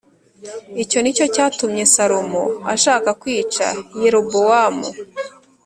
Icyo ni cyo cyatumye Salomo ashaka kwica Yerobowamu